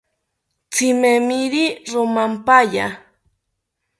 Tzimemeri romampaya